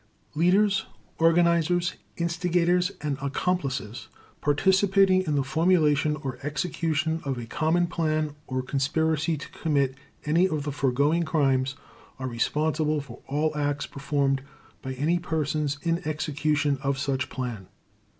"Leaders, organizers, instigators, and accomplices, participating in the formulation or execution of a common plan or conspiracy to commit any of the foregoing crimes are responsible for all acts performed by any persons in execution of such plan."